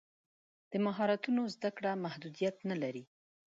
د مهارتونو زده کړه محدودیت نه لري.